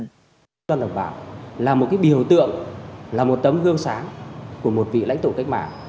tổng bí thư đồng bảo là một cái biểu tượng là một tấm gương sáng của một vị lãnh tổ cách mạng